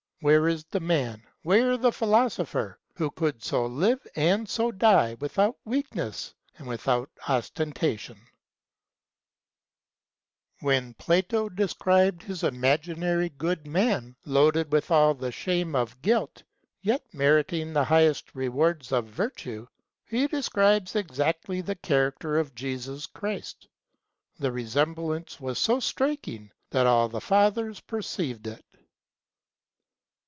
Where is the man, where the philosopher, who could so live, and so die, without weakness, and without ostentation ? When Plato described his imaginary good man loaded with all the shame of guilt, yet meriting the highest rewards of virtue, he describes exactly the character of Jesus Christ: the resemblance was so striking, that all the Fathers perceived it.